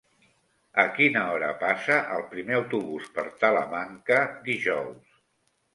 A quina hora passa el primer autobús per Talamanca dijous?